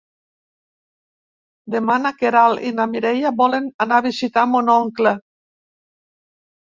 Demà na Queralt i na Mireia volen anar a visitar mon oncle.